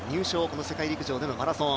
この世界陸上でのマラソン。